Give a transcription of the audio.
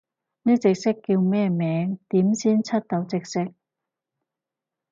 呢隻色叫咩名？點先出到隻色？